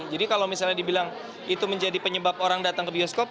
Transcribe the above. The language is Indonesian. jadi kalau misalnya dibilang itu menjadi penyebab orang datang ke bioskop